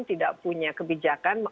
tidak punya kebijakan